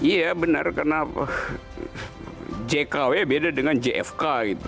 iya benar karena jkw beda dengan jfk gitu